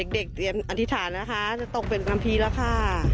เด็กเตรียมอธิษฐานแล้วนะคะจะตกเหล็กน้ำพีแล้วค่ะ